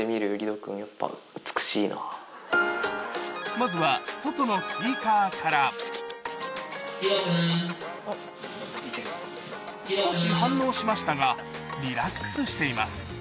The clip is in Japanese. まずは外のスピーカーから少し反応しましたがリラックスしています